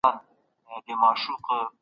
بشري قوانین کله ناکله حقونه نه مراعاتوي.